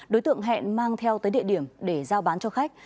đối tượng hẹn mang theo tới địa điểm để giao bán cho khách